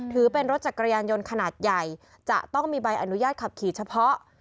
ถือเป็นรถจักรยานยนต์ขนาดใหญ่จะต้องมีใบอนุญาตขับขี่เฉพาะ